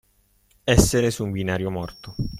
Essere su un binario morto.